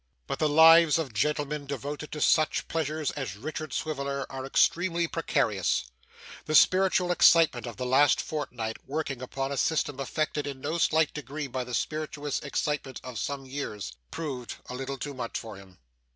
But the lives of gentlemen devoted to such pleasures as Richard Swiveller, are extremely precarious. The spiritual excitement of the last fortnight, working upon a system affected in no slight degree by the spirituous excitement of some years, proved a little too much for him.